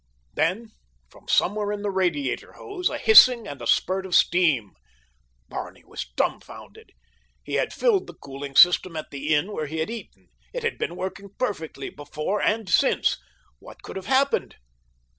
Then from somewhere in the radiator hose a hissing and a spurt of steam. Barney was dumbfounded. He had filled the cooling system at the inn where he had eaten. It had been working perfectly before and since. What could have happened?